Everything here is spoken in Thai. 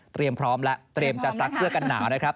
พร้อมแล้วเตรียมจะซักเสื้อกันหนาวนะครับ